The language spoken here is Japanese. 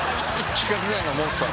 規格外のモンスター。